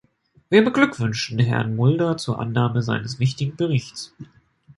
Wir beglückwünschen Herrn Mulder zur Annahme seines wichtigen Berichts.